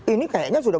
ini kayaknya sudah